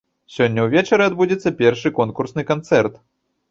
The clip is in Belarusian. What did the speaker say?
Сёння ўвечары адбудзецца першы конкурсны канцэрт.